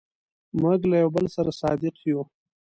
موږ له یو بل سره صادق یو.